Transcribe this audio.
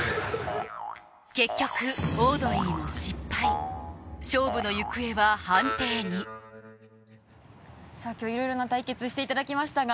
結局オードリーも勝負の行方は判定にさぁきょういろいろな対決していただきましたが。